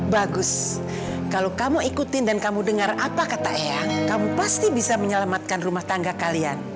bagus kalau kamu ikutin dan kamu dengar apa kata ayah kamu pasti bisa menyelamatkan rumah tangga kalian